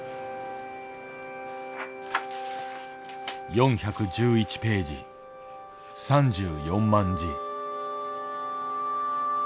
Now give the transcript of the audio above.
４１１ページ３４万字。